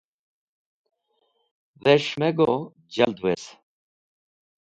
Dhes̃h me go jald wez.